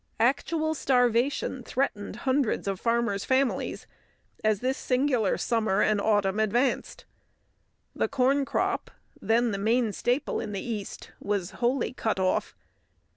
Actual starvation threatened hundreds of farmers' families as this singular summer and autumn advanced. The corn crop, then the main staple in the East, was wholly cut off.